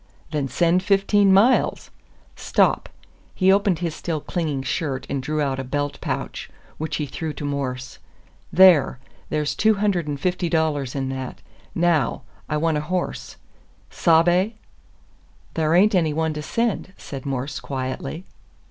"Then send fifteen miles! Stop." He opened his still clinging shirt and drew out a belt pouch, which he threw to Morse. "There! there's two hundred and fifty dollars in that. Now, I want a horse. Sabe?" "Thar ain't anyone to send," said Morse, quietly.